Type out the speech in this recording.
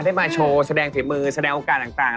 ได้มาโชว์แสดงฝีมือแสดงโอกาสต่าง